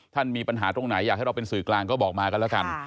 ท่านมีปัญหาตรงไหนอยากให้เราเป็นสื่อกลางก็บอกมากันแล้วกัน